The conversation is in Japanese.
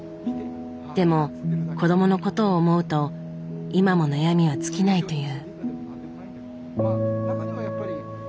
でも子どものことを思うと今も悩みは尽きないという。